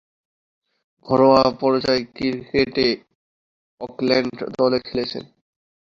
ঘরোয়া পর্যায়ের ক্রিকেটে অকল্যান্ড দলে খেলছেন।